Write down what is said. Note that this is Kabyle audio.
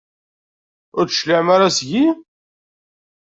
Ur d-tecliɛem ara seg-i?